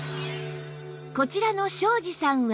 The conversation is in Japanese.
こちらの庄子さんは